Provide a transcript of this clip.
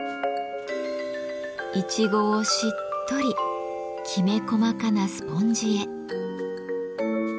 イチゴをしっとりきめ細かなスポンジへ。